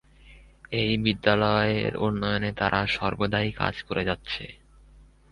এই বিদ্যালয়ের উন্নয়নে তারা সর্বদাই কাজ করে যাচ্ছে।